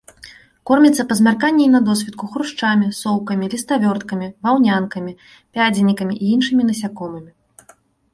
Корміцца па змярканні і на досвітку хрушчамі, соўкамі, ліставёрткамі, ваўнянкамі, пядзенікамі і іншымі насякомымі.